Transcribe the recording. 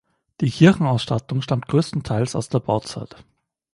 Die Kirchenausstattung stammt größtenteils aus der Bauzeit.